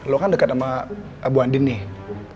lo kan dekat sama bu andin nih